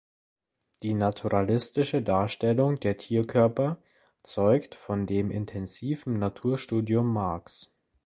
Die naturalistische Darstellung der Tierkörper zeugt von dem intensiven Naturstudium Marcs.